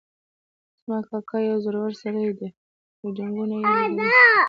زما کاکا یو زړور سړی ده او جنګونه یې لیدلي دي